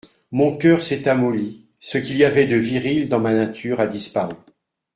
Mon coeur s'est amolli ; ce qu'il y avait de viril dans ma nature a disparu.